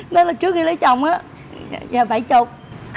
nó là trước khi lấy chồng á giờ phải chụp